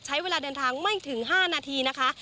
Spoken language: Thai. ใช้เวลาเดินทางไม่ถึง๕นาทีนะคะ